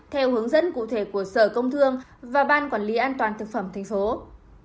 theo hướng dẫn cụ thể của sở công thương và ban quản lý an toàn thực phẩm tp hcm